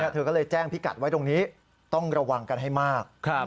เธอก็เลยแจ้งพิกัดไว้ตรงนี้ต้องระวังกันให้มาก